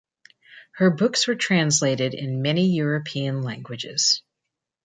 Her books were translated in many European languages.